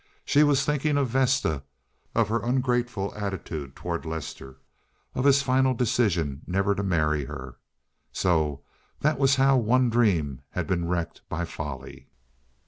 She was thinking of Vesta, of her ungrateful attitude toward Lester, of his final decision never to marry her. So that was how one dream had been wrecked by folly.